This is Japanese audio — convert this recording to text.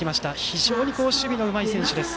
非常に守備のうまい選手です。